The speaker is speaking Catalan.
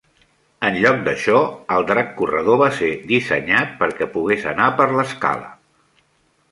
En lloc d'això, el drac corredor va ser dissenyat perquè pogués anar per l'escala.